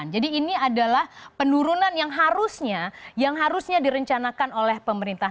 jadi ini adalah penurunan yang harusnya yang harusnya direncanakan oleh pemerintah